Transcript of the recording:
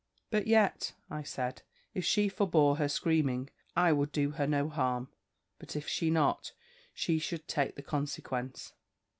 But yet, I said, if she forbore her screaming, I would do her no harm; but if not, she should take the consequence.